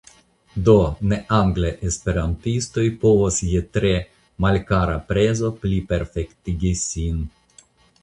Do, ne-anglaj esperantistoj povos je tre malkara prezo pliperfektigi sin.